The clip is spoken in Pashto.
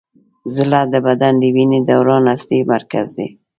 زړه د بدن د وینې دوران اصلي مرکز دی.